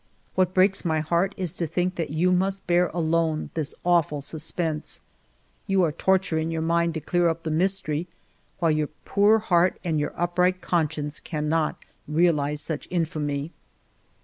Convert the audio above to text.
" What breaks my heart is to think that you must bear alone this awful suspense. You are torturing your mind to clear up the mystery, while your poor heart and your upright conscience can not realize such infamy.